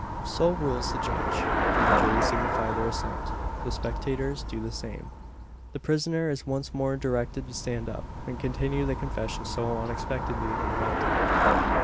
So rules the judge; and the jury signify their assent. The spectators do the same. The prisoner is once more directed to stand up, and continue the confession so unexpectedly interrupted.